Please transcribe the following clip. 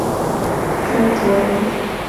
甘卓人。